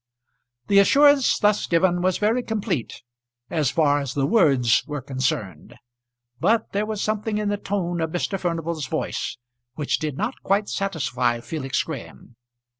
The assurance thus given was very complete as far as the words were concerned; but there was something in the tone of Mr. Furnival's voice, which did not quite satisfy Felix Graham.